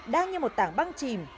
đang như một tảng băng chìm